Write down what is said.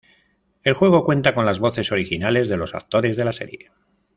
El juego cuenta con las voces originales de los actores de la serie.